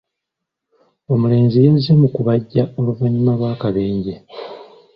Omulenzi yazze mu kubajja oluvannyuma lw'akabenje.